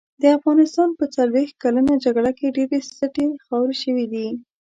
د افغانستان په څلوښت کلنه جګړه کې ډېرې سټې خاورې شوې دي.